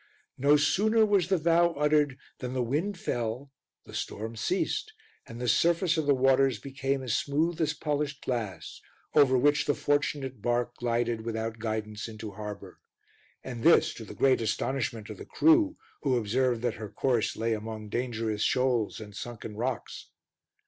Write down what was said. No sooner was the vow uttered than the wind fell, the storm ceased and the surface of the waters became as smooth as polished glass, over which the fortunate bark glided without guidance into harbour and this to the great astonishment of the crew who observed that her course lay among dangerous shoals and sunken rocks.